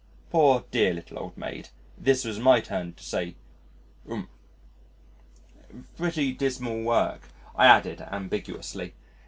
Poor dear little old maid. This was my turn to say "Oom." "Pretty dismal work," I added ambiguously.